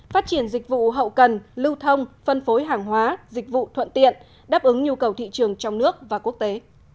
phát triển dịch vụ hậu cần lưu thông phân phối hàng hóa dịch vụ thuận tiện đáp ứng nhu cầu thị trường trong nước và quốc tế